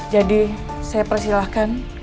jadi saya persilahkan